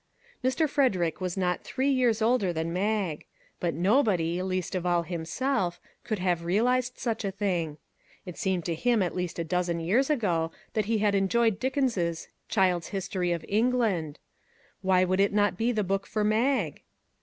Mr. Frederick was not three years older than Mag; but nobody, least of all himself, could have realized such a thing. It seemed to him at least a dozen years ago that he had enjoyed Dickens's " Child's History of England." Why would it not be the book for Mag